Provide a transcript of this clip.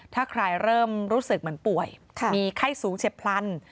ถ้าใครเริ่มรู้สึกเหมือนป่วยมีไข้สูงเฉียบพลัน